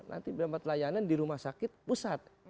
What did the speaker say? nanti dapat layanan di rumah sakit pusat